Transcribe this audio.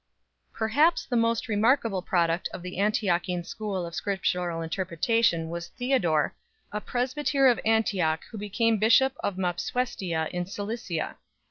Perhaps the most remarkable product of the Antio chene school of Scriptural interpretation was Theodore 1 , a presbyter of Antioch who became bishop of Mopsuestia in Cilicia.